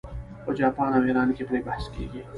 په جاپان او ایران کې پرې بحث کیږي.